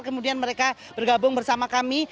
kemudian mereka bergabung bersama kami